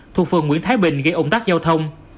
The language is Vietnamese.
thuộc phường nguyễn thái bình gây ủng tắc giao thông